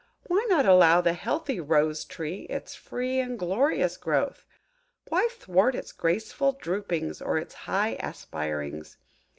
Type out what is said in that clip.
Why not allow the healthy Rose tree its free and glorious growth? Why thwart its graceful droopings or its high aspirings?